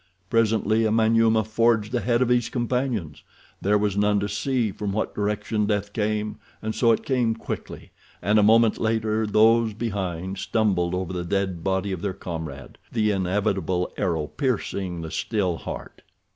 Presently a Manyuema forged ahead of his companions; there was none to see from what direction death came, and so it came quickly, and a moment later those behind stumbled over the dead body of their comrade—the inevitable arrow piercing the still heart.